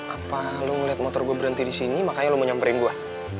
apa lo melihat motor gue berhenti di sini makanya lo mau nyamperin gue